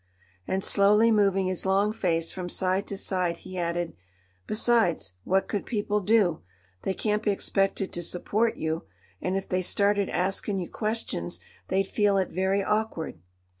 And, slowly moving his long face from side to side, he added: "Besides, what could people do? They can't be expected to support you; and if they started askin' you questions they'd feel it very awkward.